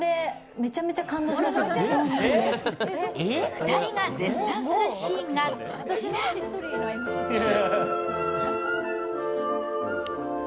２人が絶賛するシーンが、こちら。